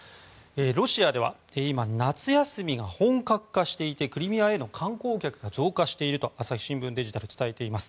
ロシアでは今、夏休みが本格化していてクリミアへの観光客が増加していると朝日新聞デジタルは伝えています。